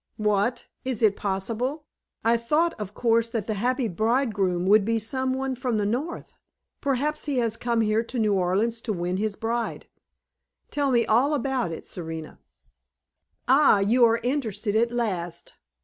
"What? Is it possible? I thought, of course, that the happy bridegroom would be some one from the North. Perhaps he has come here to New Orleans to win his bride. Tell me all about it, Serena." "Ah! you are interested at last.